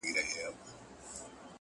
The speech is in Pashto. ما یې لیدی پر یوه لوړه څانګه٫